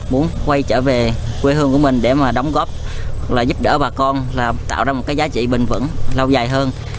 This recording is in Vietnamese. muốn quay trở về quê hương của mình để mà đóng góp hoặc là giúp đỡ bà con là tạo ra một cái giá trị bình vẩn lâu dài hơn